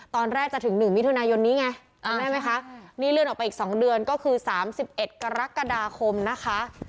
ตอนแรกจะถึงหนึ่งมิถุนายนนี้ไงอ่าเห็นไหมคะนี่เลื่อนออกไปอีกสองเดือนก็คือสามสิบเอ็ดกรกฎาคมนะคะ